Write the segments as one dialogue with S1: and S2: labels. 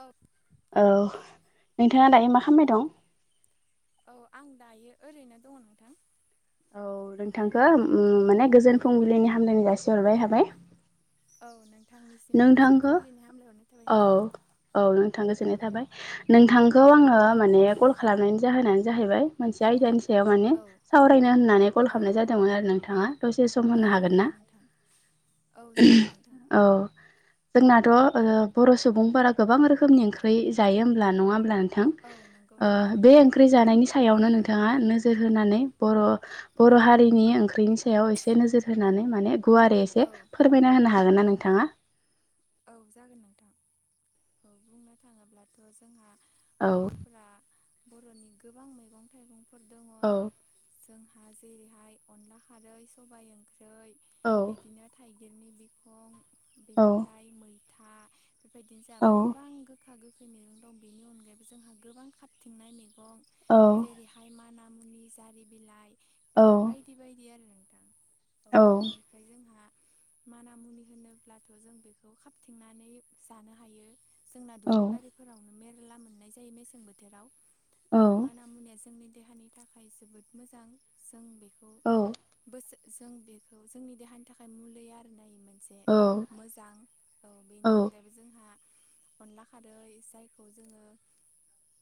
S1: औ
S2: औ नोंथाङा दायो मा खामबाय दं?
S1: औ आं दायो ओरैनो दङ नोंथां।
S2: औ नोंथांखौ माने
S1: औ
S2: गोजोन फुंबिलिनि हामलायनाय जासिहरबाय हाबाय।
S1: औ नों
S2: थांखो औ
S1: नोंथां
S2: औ नोंथां गोजोननाय थाबाय नोंथां खौ आङो
S1: औ
S2: माने कल खालामनायनि जाहोनानो जाहैबाय मोनसे आयदानि सायाव माने
S1: औ
S2: सावरायनो होननानै कल
S1: औ
S2: खालामनाय जादोंमोन आरो नोंथाङा? दसे सम
S1: औ
S2: होनो हागोन
S1: नंगौ
S2: ना?
S1: नोंथां औ जागोन नोंथां
S2: उम औ जोंनाथ' ओ बर' सुबुंफोरा गोबां रोखोमनि ओंख्रि जायो होमब्ला नङा होमब्ला नों थां
S1: औ नंगौ
S2: ओ
S1: नोंथां
S2: बे
S1: नंगौ
S2: ओंख्रि जानायनि सायावनो नोंथाङा नोजोर होनानै बर'
S1: औ
S2: बर' हारिनि ओंख्रिनि सायाव एसे नोजोर होनानै माने गुवारै
S1: औ
S2: एसे फोरमायना होनो हागोनना नोंथाङा?
S1: औ जागोन नोंथां औ बुंनो थाङोब्लाथ' जोंहा
S2: औ
S1: बर'फोरा बर'नि गोबां मैगं थाइगंफोरदों
S2: औ
S1: जोंहा जेरैहाय अनला खारै, सबाइ ओंख्रि,
S2: औ
S1: बिदिनो थाइ गिर निलि बिखं
S2: औ
S1: बेनिफ्राय मैथा बेफोरबायदिनो जा
S2: औ
S1: गोबां गोखा गो खै मैगं दं। बेनि अनगायैबो जोंहा गोबां खारथिंनाय मैगं
S2: औ
S1: जेरैहाय माना मुनि जारि बिलाइ
S2: औ
S1: बेफोर बायदि बायदि आरो। नोंथां औ बेनिफ्राय जोंहा माना मुनि होनोब्लाथ' जों बे खौ खाबथिंनानै जानो हायो जोंना
S2: औ
S1: दुब्लि बारिफोरावनो मेर ला मोननाय जायो मेसें बोथोराव औ माना मुनिया जोंनि देहानि थाखाय जोबोद मोजां जों बेखौ
S2: औ
S1: बोसो- जों बेखौ जोंनि देहानि थाखाय मुलि आरो नायो मोनसे
S2: औ
S1: मोजां। औ बेनि
S2: औ
S1: अनगायैबो जोंहा अनला खारै जायखौ जोङो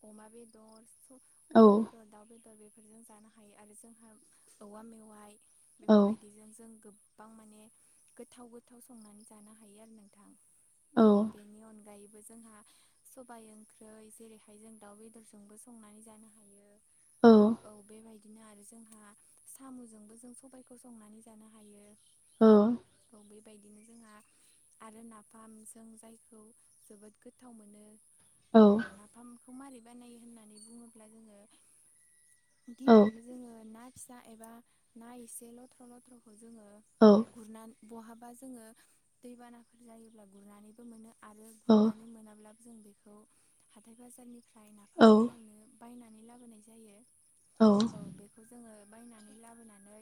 S1: अमा बेदर
S2: औ
S1: अमा बेदर दाउ बेदर बेफोरजों जानो हायो आरो जोंहा औवा मेवाय
S2: औ
S1: बेफोरबायदिजों जों गोबां माने गोथाव गोथाव संनानै जानो हायो आरो नों थां औ बेनि अनगायै बो जोंहा सबाय ओंख्रि जेरैहाय जों दाउ बेदरजोंबो संनानै जानो हायो। औ बेबायदिनो आरो जोंहा साम'जोंबो जों सबायखौ संनानै जानो हायो।
S2: औ
S1: औ बेबायदिनो जोंहा आरो नाफाम जों जायखौ जोबोद गोथाव मोनो। औ नाफामखौ माबारै बानायो होननानै बुङोब्ला जोङो गिबियावनो जोङो ना फिसा एबा ना एसे लथ्र' लथ्र' खौ जोङो गुरनानै बहाबा जोङो दैबानाफोर जायोब्ला गुरनानैबो मोनो आरो गुरनानै मोनाब्लाबो जों बेखौ हाथाय बाजारनिफ्राय नाफाम बानायनो बायनानै लाबोनाय जायो औ बेखौ जोङो बायनानै लाबोनानै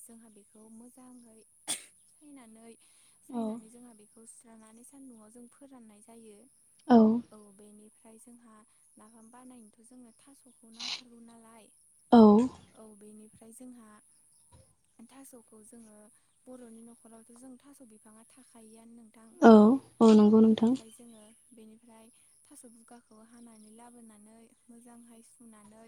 S1: जोंहा बेखौ मोजाङै फिनानै फ्रायनानै जोंहा बेखौ सिस्रनानै सान्दुङाव जों फोराननाय जायो औ बेनिफ्राय जोंहा नाफाम बानायनोथ' जोंङो थास'खौ नांथारगौ नालाय
S2: औ
S1: औ बेनि ओमफ्राय जोंहा थास'खौ जोङो बर'नि न'खरावथ' जों थास' बि बिफाङा थाखायोआनो नोंथां
S2: औ
S1: औ
S2: नंगौ नोंथां
S1: बेनिफ्राय जोङो बेनिफ्राय थास' गुगाखौ हानानै लाबोनानै मोजांहाय सुनानै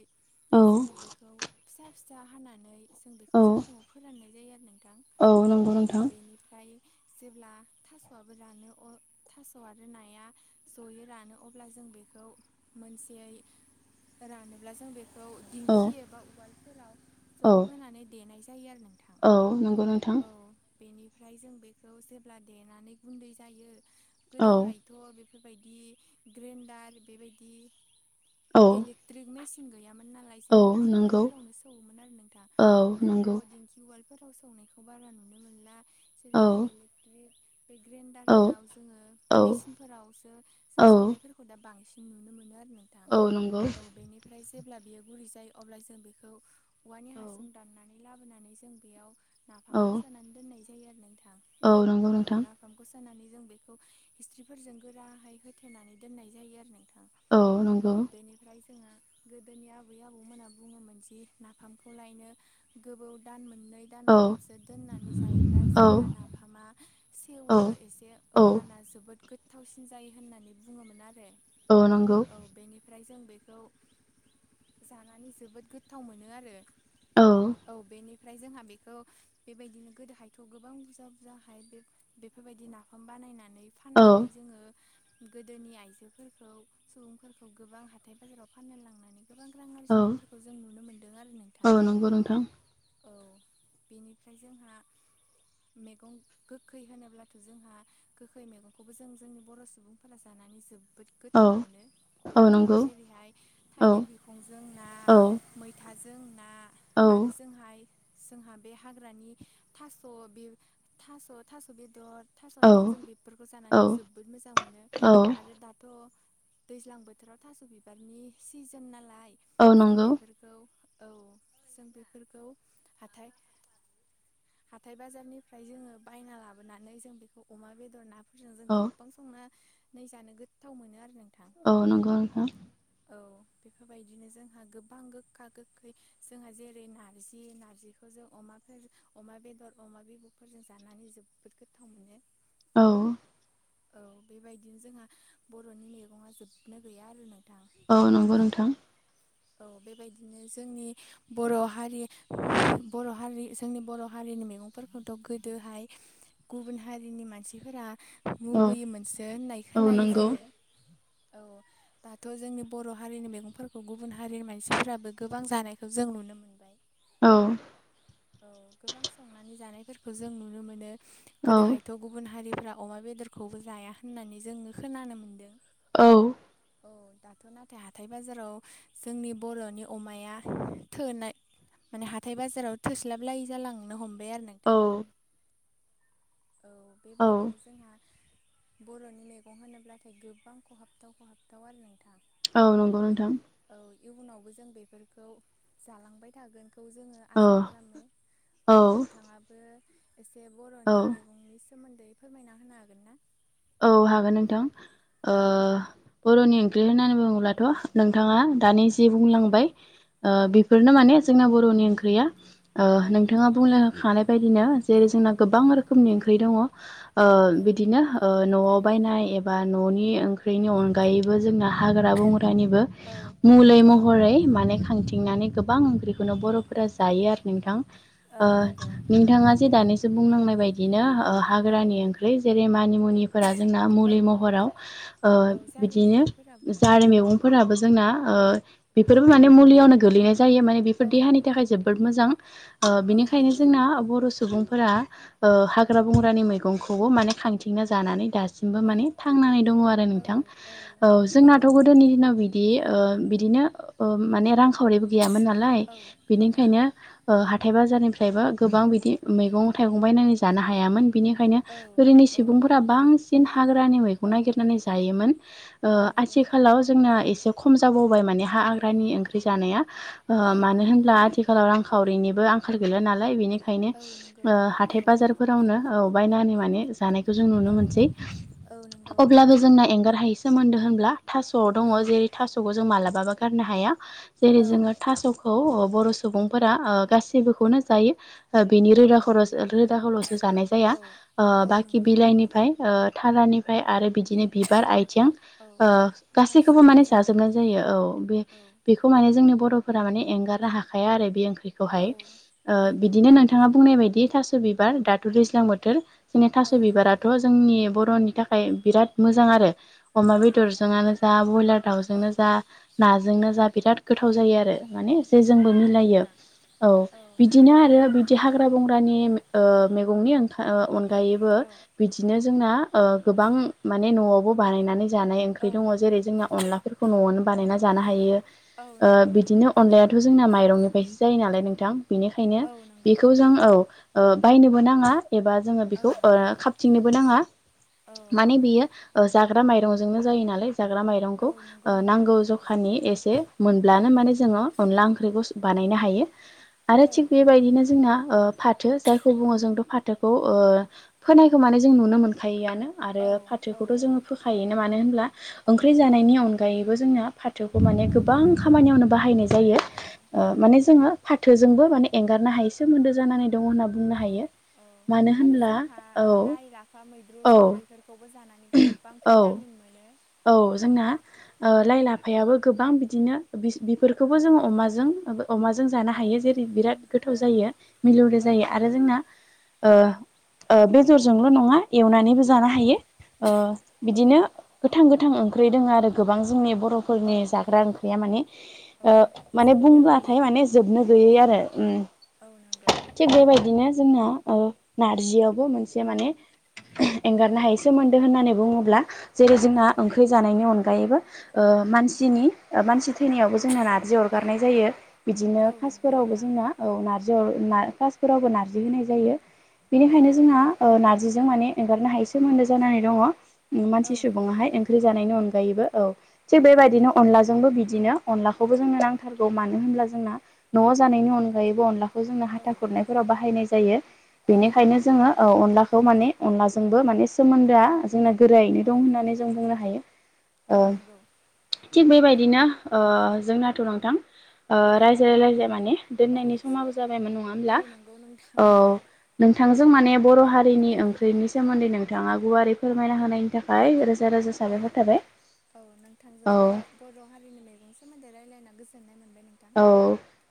S2: औ
S1: जोङो बेखौ फिसा फिसा हानानै जों बेखौ
S2: औ
S1: सान्दुङाव फोराननाय जायो आरो नोंथां
S2: औ नंगौ
S1: औ
S2: नोंथां
S1: बेनिफ्राय जेब्ला थास'आबो रानो थास' आरो नाया जयो रानो अब्ला जों बेखौ मोनसे रानोब्ला जों बेखौ
S2: औ
S1: दिंखि एबा उवाल
S2: औ
S1: ज' होनानै देनाय जायो आरो नों
S2: औ नंगौ नोंथां।
S1: ओमफ्राय जों बेखौ जेब्ला देनानै गुन्दै जायो
S2: औ
S1: गोदोहायथ' बे बेफोरबायदि ग्रेडार बेबायदि
S2: औ
S1: इलेकट्रिक मेसिन गैयामोन नालाय जों
S2: औ
S1: दिंखि
S2: नंगौ
S1: उवालफोरावनो सौयोमोन आरो नोंथा
S2: औ
S1: दाथ'
S2: नंगौ
S1: दिंखि उवाल फोराव संनायखौ बारा नुनो मोनला जेरैहाय
S2: औ
S1: इलेक्ट्रिक बे
S2: औ
S1: ग्रेन्डारफोराव जोङो
S2: औ
S1: मेसिनफोरावसो जों
S2: औ
S1: सौनायफोरखौ दा बांसिन नुनो मोनो आरो नोंथां
S2: औ नंगौ
S1: औ बेनिफ्राय जेब्ला बियो गुरै जायो अब्ला जों बेखौ औवानि
S2: औ
S1: हासुं दाननानै लाबोनानै जों बेयाव नाफामखौ
S2: औ
S1: सोनानै दोननाय जायो आरो नोंथां
S2: औ नंगौ नोंथां
S1: जानानै जों बेखौ हिस्ट्रिफोरजों गोराहै होथेनानै दोननाय जायो आरो नों थां औ बेनिफ्राय जोंहा
S2: [unintelligible]
S1: गोदोनि आबै आबौमोना बुङोमोन जि नाफामखौ लायनो गोबोव दान मोननो दान
S2: औ
S1: मोनथामसो दोननानै जायोब्ला
S2: औ
S1: जेब्ला ना फामा सेवो
S2: औ
S1: एसे
S2: औ
S1: अब्लाना जोबोद गोथावसिन जायो होननानै बुङोमोन आरो
S2: औ नंगौ
S1: औ बेनिफ्राय जों बेखौ जानानै जोबोद गोथाव मोनो आरो
S2: औ
S1: औ बेनि ओमफ्राय जोंहा बेखौ बेबायदिनो गोदोहायथ' गोबां बुरजा जाहाय बे बेफोरबायदि नाफाम बानायनानै फाननानै
S2: औ
S1: जोङो गोदोनि आइजोफोरखौ सुबुंफोरखौ गोबां हाथाय बाजाराव फाननो लांनानै गोबां रां
S2: औ
S1: आरजिनायफोरखौ जों नुनो मोनो
S2: औ नंगौ नोंथां
S1: औ बेनिफ्राय जोंहा मे मैगं गोखै होनोब्लाथ' जोंहा गोखै मैगंखौबो जों जोंनि बर' सुबुंफोरा जानानै जोब जोबोद गोथाव
S2: औ
S1: मोनो
S2: औ
S1: हबथाव
S2: नंगौ
S1: जेरैहाय
S2: औ
S1: थाइगिर बिखंजों ना
S2: औ
S1: मैथा थाजों ना
S2: औ
S1: आरो जोंहाय जोंहा बे हाग्रानि थास' बे थास' थास' बेदर थास' आथिं जों बेफोरखौ
S2: औ
S1: जानानैथ' जोबोद मोजां मोनो आरो दाथ' दैज्लां बोथोराव थास' बिबारनि सिजोन नालाय
S2: औ
S1: जों
S2: नंगौ
S1: बेफोरखौ औ जों बेफोरखौ हाथाइ हाथाइ बाजारनि फ्राय जोङो बायना लाबोनानै जों बेखौ अमा बेदर नाफोरजों
S2: औ
S1: जों गोबां संना नै जानो गोथाव मोनो आरो नों
S2: औ नंगौ नोंथां
S1: बेफोरबायदिनो जोंहा गोबां गोखा गोखै जोंहा जेरै नारजि नारजिखौ जों अमा अमा बेदर अमा बेदरफोरजों जानानै जोबोद गोथाव मोनो
S2: औ
S1: औ बेबायदिनो जोंहा बर'नि मैगङा जोबनो गैया आरो नोंथां।
S2: औ नंगौ नोंथां
S1: औ बेबायदिनो जोंनि बर' हारि बर' हारि जोंनि बर' हारिनि मैगंफोर फोरखौथ' गोदोहाय गुबुन हारिनि मानसिफोरा
S2: औ
S1: मुगैयोमोनसो होननाय
S2: औ
S1: खोनायो
S2: नंगौ
S1: जोङो। औ दाथ' जोंनि बर' हारिनि मैगंफोरखौ गुबुन गुबुन हारिनि मानसिफोराबो गोबां जानायखौ जों नुनो मोनबाय।
S2: औ
S1: औ गोबां संनानै जानायफोरखौ जों नुनो मोनो।
S2: औ
S1: गोदोहायथ' गुबुन हारिफ्रा अमा बेदरखौबो जाया होननानै जोङो खोनानो मोनदों
S2: औ
S1: औ दाथ' नाथाय हाथाय बाजाराव जोंनि बर'नि अमाया थोनाय माने हाथाय बाजाराव थोस्लाबलायै जालांनो हमबाय आरो नोंथां।
S2: औ
S1: औ
S2: औ
S1: बेबायदिनो जोंहा बर'नि मेगं होनोब्लाथाय गोबां खहाबथाव खहाबथाव आरो नोंथां
S2: औ नंगौ नोंथां।
S1: औ इयुनावबो जों बेफोरखौ जालांबाय थागोन खौ जोङो
S2: औ
S1: आसा खालामो औ नोंथाङाबो एसे
S2: औ
S1: बर'नि मैगंनि सोमोन्दै फोरमायना होनो हागोन ना?
S2: औ हागोन नोंथां ओ
S1: औ
S2: बर'नि ओंख्रि होननानै बुं ब्लाथ' नोंथाङा दानि जि बुंलांबाय ओ
S1: औ
S2: बेफोरनो माने जोंना बर नि ओंख्रिया ओ
S1: औ
S2: नोंथाङा बुंलांखानाय बायदिनो जेरै जोंना गोबां रोखोमनि ओं ख्रि दङ ओ
S1: औ
S2: बिदिनो न'आव बायनाय एबा न'नि ओं ख्रिनि अनगायैबो जोंना हाग्रा बंग्रानिबो मलै
S1: औ औ
S2: महरै माने खथि नानै गोबां ओंखौनो बर'फोरा जायो आरो नोंथां
S1: औ
S2: ओ
S1: नंगौ
S2: नोंथाङा जे दानि नाय बनो
S1: औ
S2: हाग्रानि ओंख्रि जेरै मानि मुफोरा जोंना
S1: औ
S2: मुलि महराव ओ
S1: औ जारि
S2: बिदिनो
S1: मैगंफोराबो
S2: जारि मैगंफोराबो जोंना ओ बेफोरबो माने मुलियावनो गोलैनाय जायो माने बेफोर
S1: औ
S2: देहानि थाखाय जोबोद मोजां। ओ
S1: औ
S2: बिनिखायनो
S1: नंगौ
S2: जोंना बर' सुबुंफोरा ओ हाग्रा बंग्रानि मैगंखौबो माने खांथिंना जानानै दा सिमबो
S1: औ
S2: माने थांनानै दङ आरो नोंथां औ जोंनाथ' गोदोनि दिनाव बि दि ओ बिदिनो ओ माने रां खा खावरिबो गैयामोन नालाय
S1: औ
S2: बेनिखायनो
S1: नंगौ
S2: हाथाय बाजारनिफ्रायबो गोबां बिदि मैगं थाइगं बायनानै जानो हायामोन बिनिखायनो
S1: औ
S2: गोदोनि
S1: औ
S2: सुबुंफोर फ्रा बांसिन हाग्रानि मैगं नागिरनानै जायोमोन ओ
S1: औ नंगौ नोंथां
S2: आथिखालाव जोंना एसे खम खम जाबोबाय माने हा
S1: औ
S2: हाग्रानि ओंख्रि जानाया ओ
S1: औ
S2: मानो होनब्ला आथिखालाव रांखावरिनिबो आंखाल गैला नालाय बेनिखायनो
S1: औ नंगौ
S2: ओ हाथाय
S1: औ
S2: बाजारफोरावनो औ बायनानै माने जानायखौ जों नुनो
S1: औ
S2: मोनसै
S1: औ नंगौ
S2: अब्लाबो जोंना एंगार हायै सोमोन्दो होनब्ला थास'आव दङ
S1: औ
S2: जेरै थास'खौ जों मालाबाबो गारनो हाया जेरै
S1: औ
S2: जोङो थास'खौ औ अ बर' सुबुंफोरा ओ गासिबोखौनो जायो। ओ बिनि
S1: औ
S2: रोदा खर रोदाखौल'सो जानाय
S1: औ
S2: जाया ओ
S1: औ
S2: बाखि
S1: नंगौ
S2: बिलाइनिफ्राय ओ थारानिफ्राय आरो बिदि बिदिनो बिबार आइथें
S1: औ
S2: ओ गासैखौबो माने जाजोबनाय जायो औ बे
S1: औ
S2: बेखौ माने जोंनि बर' माने एंगारनो हाखाया आरो बे ओंख्रिखौहाय
S1: औ
S2: ओ
S1: औ
S2: बिदिनो
S1: नंगौ
S2: नोंथाङा बुंनाय बायदि थास' थास' बिबार दाथ' दैज्लां बोथोर जोंनि थास'
S1: औ
S2: बिबाराथ' जोंनि बर'नि थाखाय बिराद मोजां आरो। अमा
S1: औ
S2: बेदरजों
S1: नंगौ
S2: आनो जा ब्रयलार
S1: औ
S2: दाउजोंनो जा नाजोंनो जा बिराद गोथाव जायो आरो। माने जे
S1: औ
S2: जोंबो
S1: नंगौ
S2: मिलायो
S1: नोंथां
S2: औ बिदिनो आरो बिदि हाग्रा बंग्रानि मैगंनिओं अनगायैबो
S1: औ
S2: बिदिनो जोंना गोबां माने न'आव। न' बानायनानै जानाय ओंख्रि
S1: औ
S2: दङ जेरै जोंना अनलाफोरखौ न'आवनो
S1: औ
S2: बानायना जानो हायो।
S1: औ
S2: ओ
S1: नंगौ
S2: बिदिनो अनलायाथ' जोंना माइ रंनिफ्रायसो जायो नालाय नोंथां बेनिखायनो
S1: औ नंगौ
S2: बेखौ जों औ। ओ बायनोबो नाङा एबा जोङो
S1: औ
S2: बेखौ ओ खाबथिंनोबो नाङा
S1: औ
S2: माने बेयो ओ जाग्रा माइरंजोंनो जायो नालाय जाग्रा
S1: औ
S2: माइरंखौ
S1: नंगौ
S2: ओ
S1: नोंथां
S2: नांगौ
S1: नंगौ
S2: जखानि एसे मोनब्ला माने जोङो अनला ओंख्रिखौ सबानायनो हायो आरो
S1: औ
S2: थिग बेबायदिनो जोंना। फाथो जायखौ बुङो जोंथ' फाथोखौ फोनायखौ माने जों नुनो मोनखायोआनो। आरो
S1: औ औ
S2: फाथोखौथ' जोङो फोखायोन मानो होनब्ला
S1: औ
S2: ओंख्रि जानायनि अनगायैबो जोंना फाथोखौ थोखौ माने
S1: औ
S2: गोबां खामानियावनो बाहायनाय जायो ओ माने जोङो। फाथोजोंबो माने एंगारनो हायै सोमोन्दो जानानै दं होनना बुंनो
S1: औ
S2: हायो मानो
S1: आरो
S2: होनब्ला?
S1: जोंहा
S2: औ
S1: लाइ लाफा मैद्रु
S2: औ
S1: जों बैफोरखौ माने गोबां
S2: औ
S1: भिटामिन मोनो
S2: औ जोंना ओ लाइ लाफायाबो गोबां बिदिनो बि
S1: औ
S2: बेफोरखौबो जोङो अमाजों अमाजों जानो
S1: औ
S2: हायो जेरै बिराद गोथाव
S1: औ
S2: जायो मिलौदो
S1: औ
S2: जायो आरो। आरो
S1: नंगौ
S2: जोंना ओ ओ बेजरजोंल' नङा एवनानैबो जानो
S1: औ
S2: हायो, ओ
S1: औ
S2: बिदिनो गो गोथां ओख्रि दङ आरो गोबां जोंनि बर
S1: औ
S2: बर'फोरनि जाग्रा ओंख्रिया माने
S1: औ
S2: ओ माने
S1: जोबनो
S2: बुंब्लाथाय माने जोबनो गैयै आरो
S1: औनो
S2: थिग बेबायदिनो जोंना ओ नारजियावबो मोनसे माने ओहोम
S1: औ
S2: एंगारनो हायै सोमोनद होननानै बुङोब्ला जेरै
S1: औ
S2: जोंना ओंख्रि जानायनि अनगायैबो ओ मानसिनि ओ मानसि थैनायावबो जोंना नार्जि
S1: औ
S2: अरगारनाय जायो बिदिनो
S1: औ नंगौ
S2: खासफोरावबो
S1: नोंथां
S2: जोंना औ नारजि जोङो ना खासफोरावबो नारजि होनाय जायो,
S1: औ
S2: बेनिखायनो जोंना ओ ना नारजिजों माने एंगारनो हायै सोमोनदो जानानै दङ
S1: औ
S2: मानसि
S1: नंगौ
S2: सुबुङाहाय ओंख्रि जानायनि अन -गायैबो औ थिक
S1: औ
S2: बेबायदियैनो अनलाजों। जोंबो बिदिनो अनलाखौबो जोंनो नांथारगौ मानो होनब्ला जोंना न'वाव जानायनि अनगायैबो अनलाखौ। -खौ जोंङो
S1: औ
S2: हाथा खुरनायफोराव बाहायनाय जायो,
S1: औ
S2: बेनिखायनो
S1: नंगौ
S2: जोङो
S1: नोंथां
S2: औ
S1: नंगौ
S2: अनलाखौ माने अनलाजोंबो माने सोमोन्दोआ जोंना गोराय दं
S1: औ
S2: होननानै जों बुंनो हायो ओ
S1: औ नंगौ
S2: थिग बेबायदिनो ओ जोंनाथ' नोंथां। ओ
S1: औ
S2: रायजाय रायजाया माने
S1: औ
S2: दोननायनि समाबो जाबायमोन नङा होमब्ला
S1: औ नंगौ नोंथां
S2: औ
S1: नंगौ
S2: नोंथ नोंथांजों माने बर' हारिनि
S1: औ
S2: ओंख्रिनि सोमोन्दै नोंथाङा गुवारै फोरमायना होनायनि थाखाय रो
S1: औ औ
S2: औ
S1: नोंथांजोंबो बर' हारिनि मैगं सोमोन्दै रायज्लायना गोसो।
S2: औ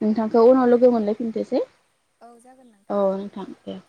S2: नोंथांखौ उनाव लोगो मोनलायफिनथोसै।
S1: औ जागोन
S2: औ नोंथां दे